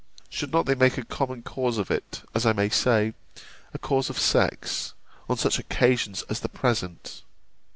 Should not they make a common cause of it, as I may say, a cause of sex, on such occasions as the present?